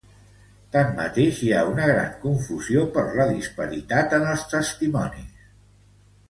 Tanmateix, hi ha una gran confusió, per la disparitat en els testimonis.